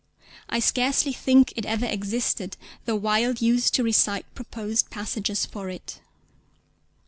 I scarcely think it ever existed, though Wilde used to recite proposed passages for it.